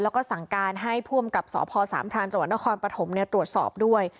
แล้วก็สั่งการให้ภูมิกับศพศพลาจนประธมตรวจสอบด้วย